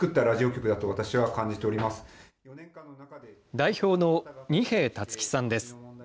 代表の二瓶竜紀さんです。